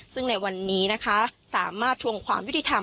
ซึ่งในวันนี้นะคะสามารถทวงความยุติธรรม